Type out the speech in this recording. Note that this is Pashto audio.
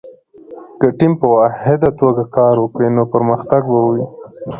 که ټیم په واحده توګه کار وکړي، نو پرمختګ به وي.